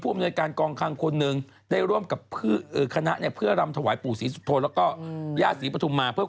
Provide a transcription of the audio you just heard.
อ่อประลำพิธีหรอ